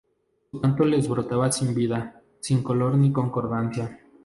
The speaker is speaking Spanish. Su canto les brotaba sin vida, sin color ni concordancia...